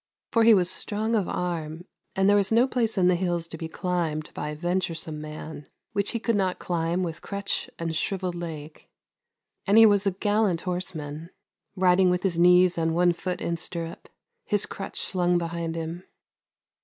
For he was strong of arm, and there was no place in the hills to be climbed by venturesome man, which he could not climb with crutch and shrivelled leg. And he was a gallant horse man, riding with his knees and one foot in stirrup, his crutch slung behind him.